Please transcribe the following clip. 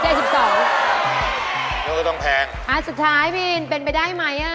นี่ก็จะต้องแพงสุดท้ายมีนเป็นไปได้ไหม